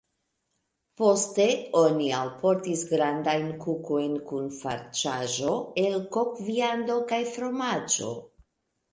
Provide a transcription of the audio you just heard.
Poste oni alportis grandajn kukojn kun farĉaĵo el kokviando kaj fromaĝo.